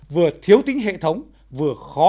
vừa thiếu tính hệ thống vừa khó